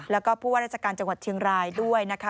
แล้วก็ผู้ว่าราชการจังหวัดเชียงรายด้วยนะคะ